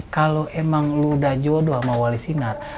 kalo emang lu udah jodoh sama wali singar